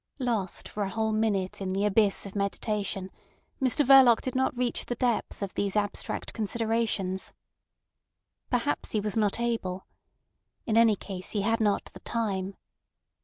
Lost for a whole minute in the abyss of meditation, Mr Verloc did not reach the depth of these abstract considerations. Perhaps he was not able. In any case he had not the time.